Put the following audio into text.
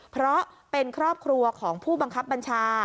เพราะเป็นครอบครัวของผู้บังคับบัญชา